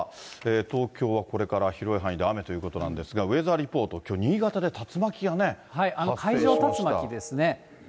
東京はこれから広い範囲で雨ということなんですが、ウェザーリポート、きょう、海上竜巻ですね。